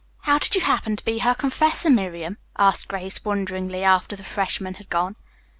"How did you happen to be her confessor, Miriam?" asked Grace wonderingly, after the freshman had gone.